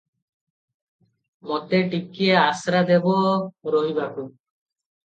ମୋତେ ଟିକିଏ ଆଶ୍ରା ଦେବ ରହିବାକୁ?"